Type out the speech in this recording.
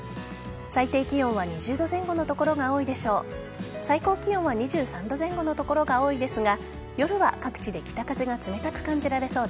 最低気温は２０度前後の所が多いでしょう。